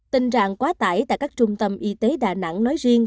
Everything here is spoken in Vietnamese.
tình trạng quá tải tại các trung tâm y tế đà nẵng nói riêng